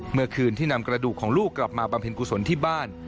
เมื่อคืนที่นำกระดูกของลูกกลับมาบำเพ็ญกุศลที่บ้าน